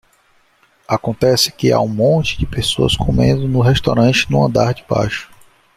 Acontece que há um monte de pessoas comendo no restaurante no andar de baixo.